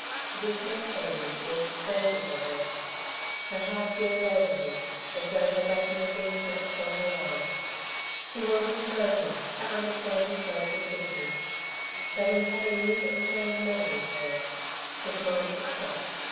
This man Davey was a strange to her. Her heart yearned over him, as though her baby had been snatched from her arms. She wanted to know him, to understand his ways of thinking. But he had a new and strange manner with her. His mind was shut.